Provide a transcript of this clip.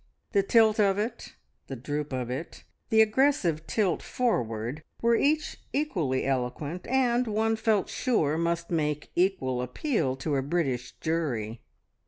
The tilt of it, the droop of it, the aggressive tilt forward were each equally eloquent, and, one felt sure, must make equal appeal to a British jury.